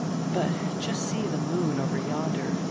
But just see the moon over yonder.